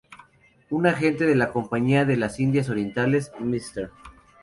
Un agente de la Compañía de las Indias Orientales, Mr.